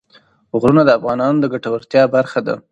غرونه د افغانانو د ګټورتیا برخه ده.